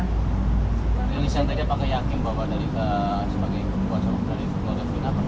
penyelidikan tadi pak yakin bahwa dari sebagai kekuasaan dari polda bina